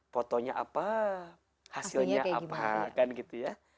fotonya apa hasilnya apa